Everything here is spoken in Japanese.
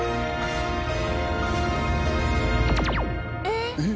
えっ？